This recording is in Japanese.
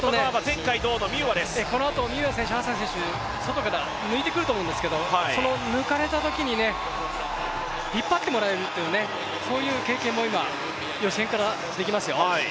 このあとミューア選手、ハッサン選手、外から抜いてくると思うんですけどその抜かれたときに、引っ張ってもらえるという、そういう経験も今、予選からできますよ。